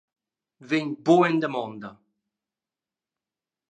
Vegn buc en damonda!